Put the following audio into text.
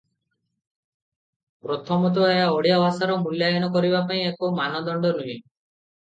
ପ୍ରଥମତଃ ଏହା ଓଡ଼ିଆ ଭାଷାର ମୂଲ୍ୟାୟନ କରିବା ପାଇଁ ଏକ ମାନଦଣ୍ଡ ନୁହେଁ ।